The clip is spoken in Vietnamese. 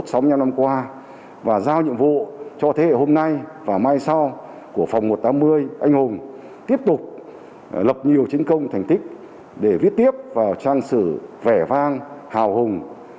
trung ương cục miền nam